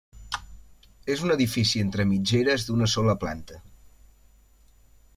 És un edifici entre mitgeres d'una sola planta.